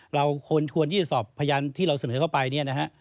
เราควรที่จะสอบพยานที่เราเสนอเข้าไปเนี่ยนะฮะ